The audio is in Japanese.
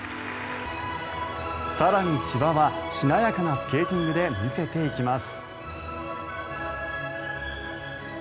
更に、千葉はしなやかなスケーティングで見せていきます。